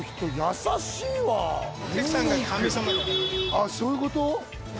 あっそういうこと？